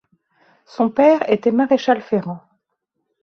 Son père était maréchal-ferrant.